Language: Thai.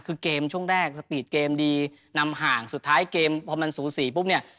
คือเกมช่วงแรกสปีดเกมดีนำห่างสุดท้ายเกมพอมันสูสีปุ๊บเนี่ย